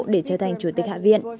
để trở thành chủ tịch hạ viện